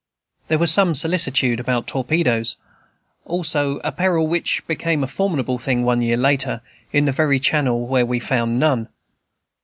There was some solicitude about torpedoes, also, a peril which became a formidable thing, one year later, in the very channel where we found none.